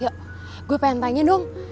yuk gue pengen tanya dong